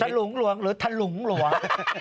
ลุงหลวงหรือถลุงหลวง